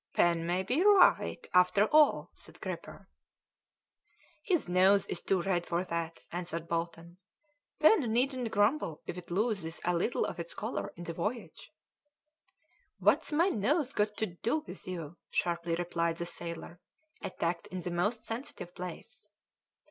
"Pen may be right, after all," said Gripper. "His nose is too red for that," answered Bolton. "Pen needn't grumble if it loses a little of its colour in the voyage." "What's my nose got to do with you?" sharply replied the sailor, attacked in the most sensitive place.